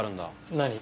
何？